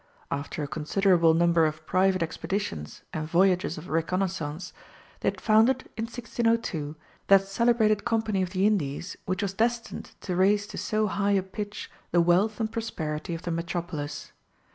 After a considerable number of private expeditions and voyages of reconnaissance they had founded in 1602 that celebrated Company of the Indies which was destined to raise to so high a pitch the wealth and prosperity of the metropolis.